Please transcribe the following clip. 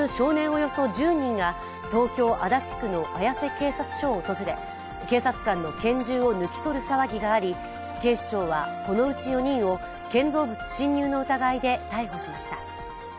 およそ１０人が東京・足立区の綾瀬警察署を訪れ警察官の拳銃を抜き取る騒ぎがあり警視庁はこのうち４人を建造物侵入の疑いで逮捕しました。